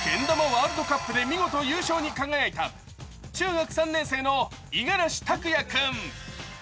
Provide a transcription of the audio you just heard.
ワールドカップで見事優勝に輝いた中学３年生の五十嵐拓哉君。